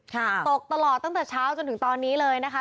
ตกตลอดตั้งแต่เช้าจนถึงตอนนี้เลยนะคะ